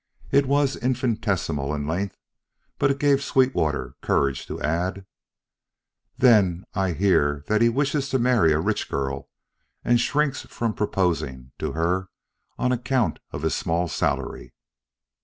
It was infinitesimal in length, but it gave Sweetwater courage to add: "Then, I hear that he wishes to marry a rich girl and shrinks from proposing to her on account of his small salary."